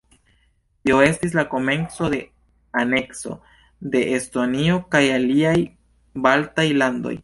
Tio estis la komenco de anekso de Estonio kaj aliaj Baltaj Landoj.